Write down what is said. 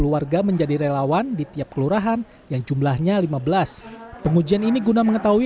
warga menjadi relawan di tiap kelurahan yang jumlahnya lima belas pengujian ini guna mengetahui